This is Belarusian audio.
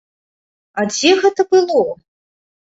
А дзе гэта было?